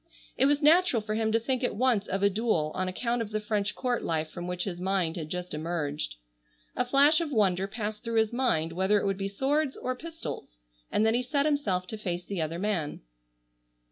It was natural for him to think at once of a duel on account of the French court life from which his mind had just emerged. A flash of wonder passed through his mind whether it would be swords or pistols, and then he set himself to face the other man.